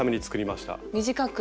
短く？